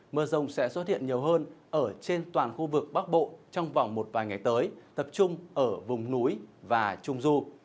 mưa rông sẽ xuất hiện nhiều hơn ở trên toàn khu vực bắc bộ trong vòng một vài ngày tới tập trung ở vùng núi và trung du